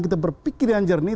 kita berpikir yang jernih